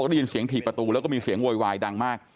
ได้ยินเสียงถี่ประตูแล้วก็มีเสียงโวยวายดังมาก